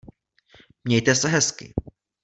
Mějte se hezky